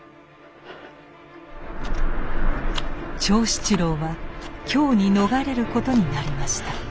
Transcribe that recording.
長七郎は京に逃れることになりました。